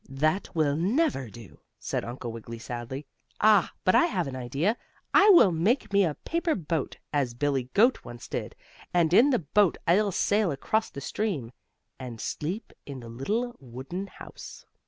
"That will never do," said Uncle Wiggily, sadly. "Ah! But I have an idea. I will make me a paper boat, as Billie Goat once did, and in the boat I'll sail across the stream, and sleep in the little wooden house."